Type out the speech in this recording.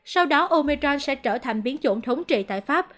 sau đó omechon sẽ trở thành biến chủng thống trị tại pháp